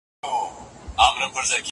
ماشوم به خپل هدف ته رسېدلی وي.